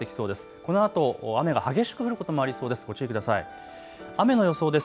このあと雨が激しく降ることもありそうです。